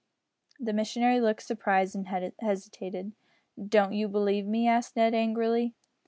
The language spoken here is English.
The missionary looked surprised, and hesitated. "Don't you believe me?" asked Ned, angrily.